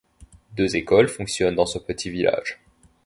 Deux écoles fonctionnent dans ce petit village.